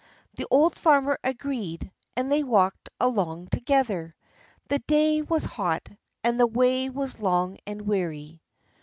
The old farmer agreed, and they walked along together. The day was hot, and the way was long and weary.